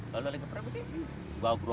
kalau lagi pres berarti bawa berobat